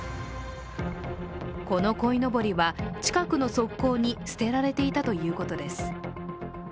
このこいのぼりは近くの側溝に捨てられていたということです。